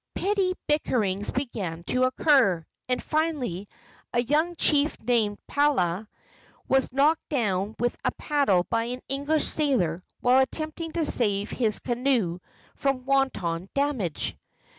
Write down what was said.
Petty bickerings began to occur, and finally a young chief named Palea was knocked down with a paddle by an English sailor while attempting to save his canoe from wanton damage.